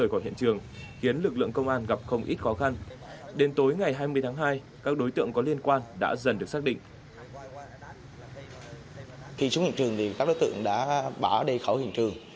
khi xuống hình trường thì các đối tượng đã bỏ ở đây khỏi hình trường